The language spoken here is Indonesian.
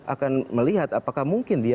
akan melihat apakah mungkin dia